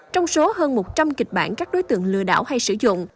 trong số hơn một trăm linh kịch bản các đối tượng lừa đảo hay sử dụng